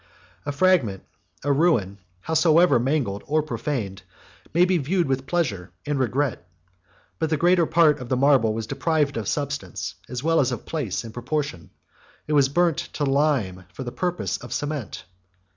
34 A fragment, a ruin, howsoever mangled or profaned, may be viewed with pleasure and regret; but the greater part of the marble was deprived of substance, as well as of place and proportion; it was burnt to lime for the purpose of cement.